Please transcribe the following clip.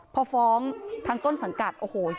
พอฟ้องทางต้นสังกัดโอ้โห